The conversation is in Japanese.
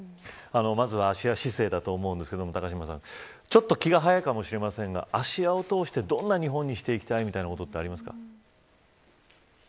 まずは芦屋市政だと思いますがちょっと気が早いかもしれませんが芦屋を通してどんな日本にしていきたいとかありますか。